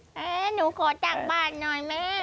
หนูขอตักบาดหน่อยแม่